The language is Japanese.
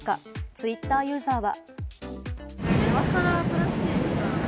ツイッターユーザーは。